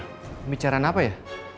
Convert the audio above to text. pembicaraan apa ya